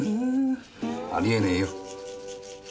あり得ねえよ。